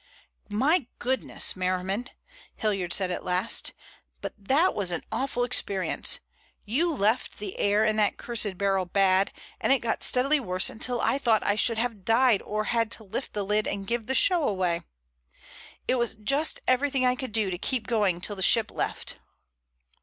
"My goodness! Merriman," Hilliard said at last, "but that was an awful experience! You left the air in that cursed barrel bad, and it got steadily worse until I thought I should have died or had to lift the lid and give the show away. It was just everything I could do to keep going till the ship left."